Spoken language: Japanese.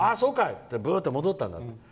ってブーンと戻ったんだって。